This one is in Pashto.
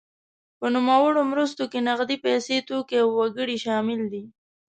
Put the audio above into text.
په نوموړو مرستو کې نغدې پیسې، توکي او وګړي شامل دي.